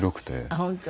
あっ本当？